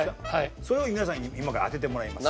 それを皆さんに今から当ててもらいます。